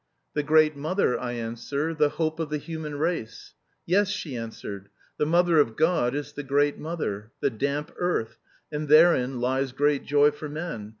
'The great mother,' I answer, 'the hope of the human race.' 'Yes,' she answered, 'the mother of God is the great mother the damp earth, and therein lies great joy for men.